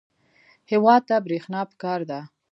هېواد ته برېښنا پکار ده